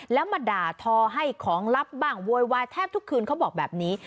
แล้วมาด่าทอให้ของลับบ้างโวยวายแทบทุกคืนเขาบอกแบบนี้